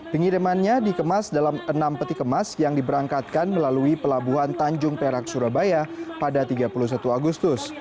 pengirimannya dikemas dalam enam peti kemas yang diberangkatkan melalui pelabuhan tanjung perak surabaya pada tiga puluh satu agustus